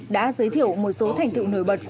đã giới thiệu một số thành tựu nổi bật